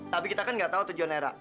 tapi kita kan ga tau tujuan era